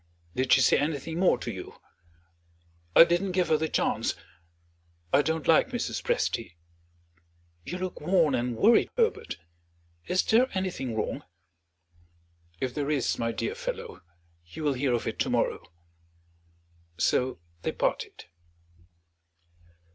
"Did she say anything more to you?" "I didn't give her the chance; I don't like Mrs. Presty. You look worn and worried, Herbert. Is there anything wrong?" "If there is, my dear fellow, you will hear of it tomorrow." So they parted.